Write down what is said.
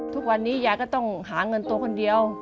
ทุกวันนี้ยายก็ต้องหาเงินตัวคนเดียว